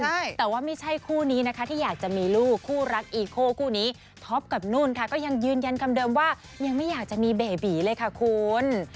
ใช่แต่ว่าไม่ใช่คู่นี้นะคะที่อยากจะมีลูกคู่รักอีโคคู่นี้ท็อปกับนุ่นค่ะก็ยังยืนยันคำเดิมว่ายังไม่อยากจะมีเบบีเลยค่ะคุณ